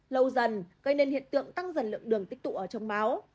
lâu dần gây nên hiện tượng tăng dần lượng đường tích tụ ở trong máu